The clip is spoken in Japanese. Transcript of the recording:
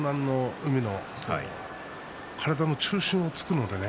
海の体の中心を突くのでね